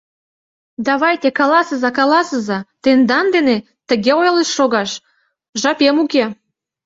— Давайте каласыза, каласыза, тендан дене тыге ойлышт шогаш жапем уке.